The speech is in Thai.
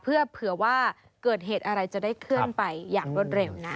เพื่อเผื่อว่าเกิดเหตุอะไรจะได้เคลื่อนไปอย่างรวดเร็วนะ